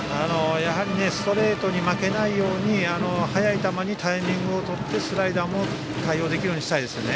ストレートに負けないように速い球でタイミングをとってスライダーも対応したいですね。